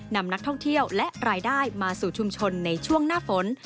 นำนักท่องเที่ยวและรายได้มาสู่ชุมชนในช่วงหน้าฝน